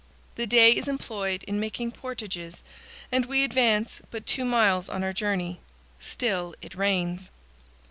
The day is employed in making portages and we advance but two miles on our journey. Still it rains.